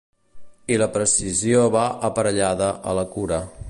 I la precisió va aparellada a la cura.